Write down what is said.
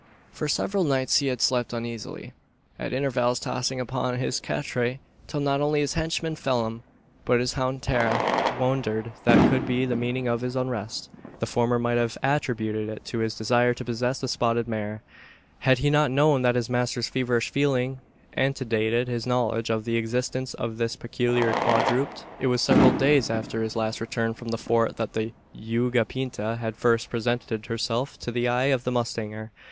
For several nights he had slept uneasily at intervals tossing upon his catre till not only his henchman Phelim, but his hound Tara, wondered what could be the meaning of his unrest. The former might have attributed it to his desire to possess the spotted mare; had he not known that his master's feverish feeling antedated his knowledge of the existence of this peculiar quadruped. It was several days after his last return from the Fort that the "yegua pinta" had first presented herself to the eye of the mustanger.